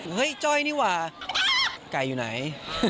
เฮ้ยจ้อยนี่หว่าไก่อยู่ไหน